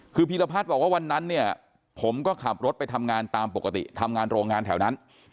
คือพีรพัฒน์บอกว่าวันนั้นเนี่ยผมก็ขับรถไปทำงานตามปกติทำงานโรงงานแถวนั้น